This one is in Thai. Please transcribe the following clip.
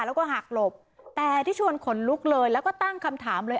แล้วก็หักหลบแต่ที่ชวนขนลุกเลยแล้วก็ตั้งคำถามเลย